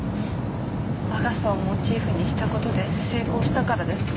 アガサをモチーフにしたことで成功したからですか？